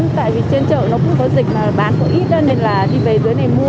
tại vì trên chợ nó cũng có dịch mà bán có ít nên là đi về dưới này mua